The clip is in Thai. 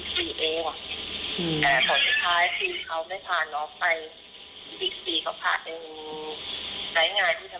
เขาบอกว่าเดี๋ยวเขาทำงานเสร็จก่อน